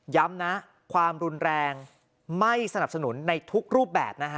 ย้ำนะความรุนแรงไม่สนับสนุนในทุกรูปแบบนะฮะ